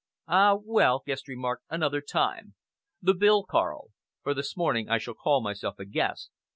"Ah, well!" Guest remarked, "another time. The bill, Karl! For this morning I shall call myself a guest.